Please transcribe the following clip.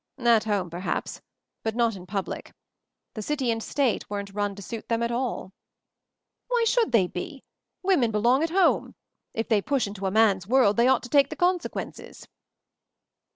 "At home, perhaps, but not in public. The city and state weren't run to suit them at all." "Why should they be? Women belong at home. If they push into a man's world they ought to take the consequences."